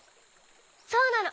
そうなの。